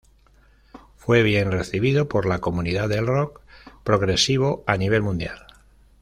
Fue bien recibido por la comunidad del rock progresivo a nivel mundial.